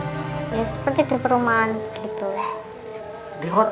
ya seperti di perumahan gitu ya